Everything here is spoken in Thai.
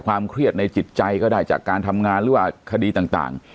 เครียดในจิตใจก็ได้จากการทำงานหรือว่าคดีต่าง